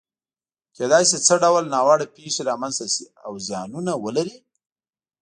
کېدای شي څه ډول ناوړه پېښې رامنځته شي او زیانونه ولري؟